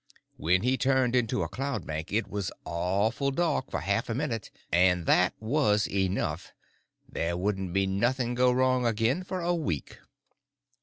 When he turned into a cloudbank it was awful dark for half a minute, and that was enough; there wouldn't nothing go wrong again for a week.